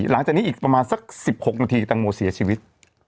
หลังจากนี้อีกประมาณสัก๑๖นาทีแตงโมเสียชีวิต